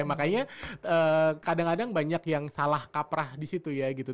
makanya kadang kadang banyak yang salah kaprah di situ ya gitu